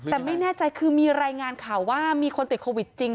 แต่ไม่แน่ใจคือมีรายงานข่าวว่ามีคนติดโควิดจริง